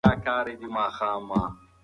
د خلکو د چلند قضاوت مه کوه.